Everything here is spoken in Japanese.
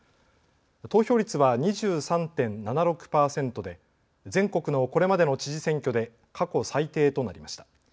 投票率は２３．７６％で全国のこれまでの知事選挙で過去最低となりました。